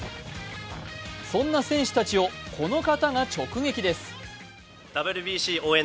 そんな選手たちをこの方が直撃です。